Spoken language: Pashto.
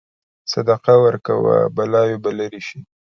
صدقه ورکوه، بلاوې به لرې شي.